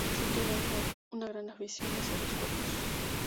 Siente una gran afición hacia los cuervos.